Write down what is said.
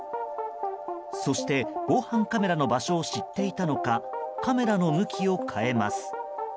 そして、防犯カメラの場所を知っていたのかカメラの向きを変えます。